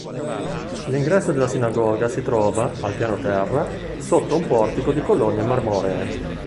L'ingresso della sinagoga si trova, al piano terra, sotto un portico di colonne marmoree.